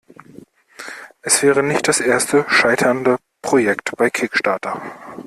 Es wäre nicht das erste scheiternde Projekt bei Kickstarter.